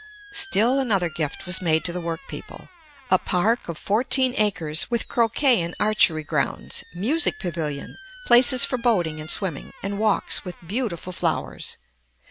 Still another gift was made to the work people; a park of fourteen acres, with croquet and archery grounds, music pavilion, places for boating and swimming, and walks with beautiful flowers.